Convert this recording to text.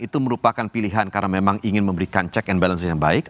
itu merupakan pilihan karena memang ingin memberikan check and balance yang baik